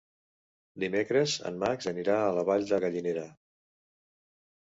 Dimecres en Max anirà a la Vall de Gallinera.